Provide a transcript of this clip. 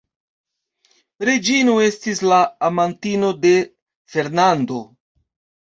Reĝino estis la amantino de Fernando.